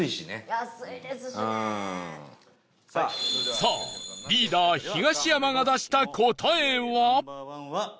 さあ、リーダー東山が出した答えは？